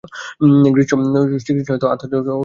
শ্রীকৃষ্ণ আত্মসংস্থ হয়ে গীতা বলেছিলেন।